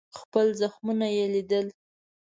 خپل زخمونه یې لیدل.